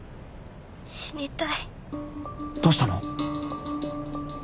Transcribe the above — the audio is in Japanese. どうしたの！？